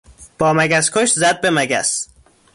با مگس کش زد به مگس.